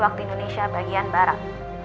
waktu indonesia bagian barat